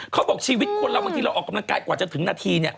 เขาบอกชีวิตคนเราบางทีเราออกกำลังกายกว่าจะถึงนาทีเนี่ย